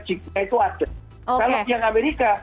kalau di amerika itu ada yang pakai strategik ada yang teknikal